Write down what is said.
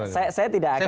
saya tidak akan